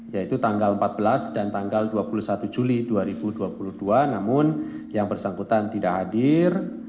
yaitu tanggal empat belas dan tanggal dua puluh satu juli dua ribu dua puluh dua namun yang bersangkutan tidak hadir